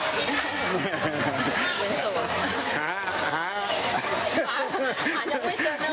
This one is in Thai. ไปที่ล่วง